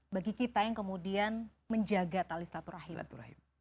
bagi kita yang kemudian menjaga tali selaturahim